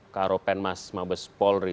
karo penmas mabes polri